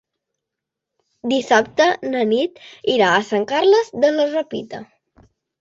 Dissabte na Nit irà a Sant Carles de la Ràpita.